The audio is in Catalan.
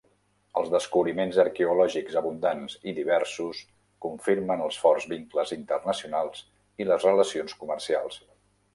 Els descobriments arqueològics abundants i diversos confirmen els forts vincles internacionals i les relacions comercials.